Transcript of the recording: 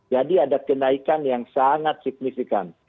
ada kenaikan yang sangat signifikan